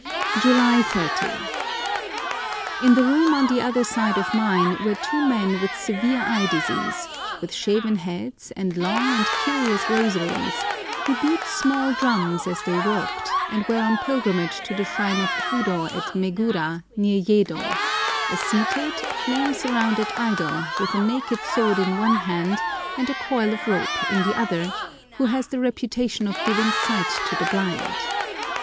July 30.—In the room on the other side of mine were two men with severe eye disease, with shaven heads and long and curious rosaries, who beat small drums as they walked, and were on pilgrimage to the shrine of Fudo at Megura, near Yedo, a seated, flame surrounded idol, with a naked sword in one hand and a coil of rope in the other, who has the reputation of giving sight to the blind.